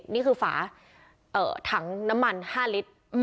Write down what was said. นี่คือฝาถังน้ำมัน๕ลิตร